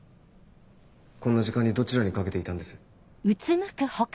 こんな時間にどちらにかけていたんです？